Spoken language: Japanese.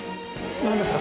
何ですか？